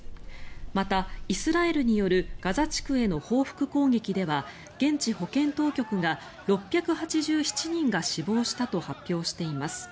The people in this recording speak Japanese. またイスラエルによるガザ地区への報復攻撃では現地保健当局が６８７人が死亡したと発表しています。